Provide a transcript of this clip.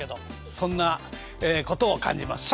そんなことを感じます。